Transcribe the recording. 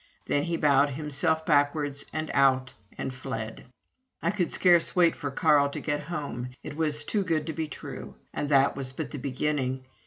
Then he bowed himself backwards and out, and fled. I could scarce wait for Carl to get home it was too good to be true. And that was but the beginning.